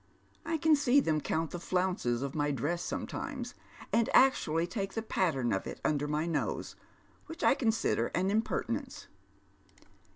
I can see them count the flounces on my dress sometimes, and actually take the pattern of it imder my nose, which I consider an impeili nence."